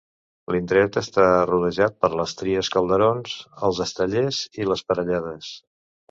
L'indret està rodejat per Les Tries, Calderons, Els Estellers i Les Parellades.